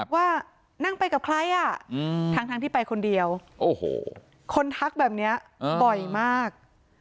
ว่านั่งไปกับใครทั้งที่ไปคนเดียวคนทักแบบนี้บ่อยมาก